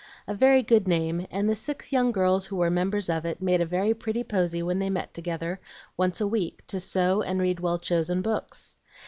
A very good name, and the six young girls who were members of it made a very pretty posy when they met together, once a week, to sew, and read well chosen books.